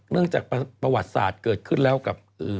จากประวัติศาสตร์เกิดขึ้นแล้วกับ